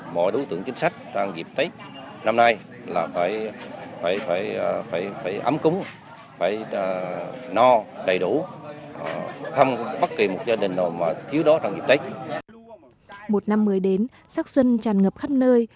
một năm mới đến sắc xuân tràn ngập khắp nơi